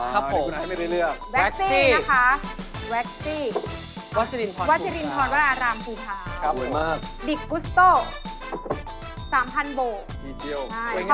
ครับผมแว็กซี่นะคะแว็กซี่วาชิรินทรวรรณภูมิพร้าวดิกกุสโตะ๓๐๐๐บกคอมแพคเบรกนะคะ